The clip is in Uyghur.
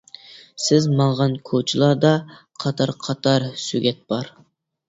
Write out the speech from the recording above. سىز ماڭغان كوچىلاردا، قاتار-قاتار سۆگەت بار.